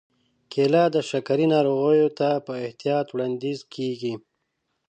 کېله د شکرې ناروغانو ته په احتیاط وړاندیز کېږي.